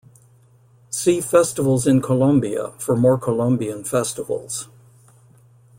See Festivals in Colombia for more Colombian festivals.